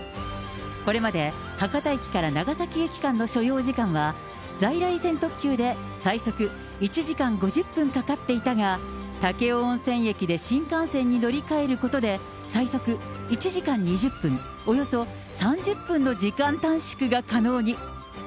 これまで、博多駅から長崎駅間の所要時間は、在来線特急で最速１時間５０分かかっていたが、武雄温泉駅で新幹線に乗り換えることで、最速１時間２０分、およそ３０分の時間短縮が可能に。